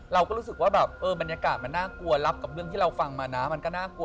เราก็รู้สึกว่าแบบเออบรรยากาศมันน่ากลัวรับกับเรื่องที่เราฟังมานะมันก็น่ากลัว